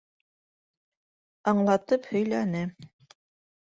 Аңлатып һөйләне.